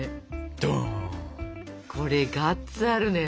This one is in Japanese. これガッツあるね。